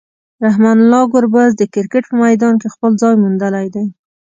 رحمان الله ګربز د کرکټ په میدان کې خپل ځای موندلی دی.